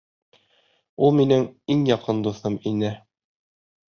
Ул минең иң яҡын дуҫым ине...